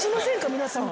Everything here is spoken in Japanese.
皆さん。